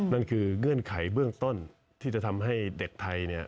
นั่นคือเงื่อนไขเบื้องต้นที่จะทำให้เด็กไทยเนี่ย